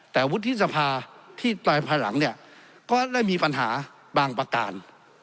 แต่ฤทธิสภาที่ต่อไปหลังก็ได้มีปัญหาบางประการ